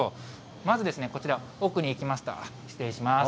まずこちら、奥に行きますと、失礼します。